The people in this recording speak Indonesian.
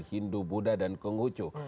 hindu buddha dan konggucu